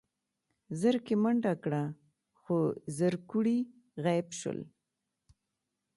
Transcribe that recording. زرکې منډه کړه خو زرکوړي غيب شول.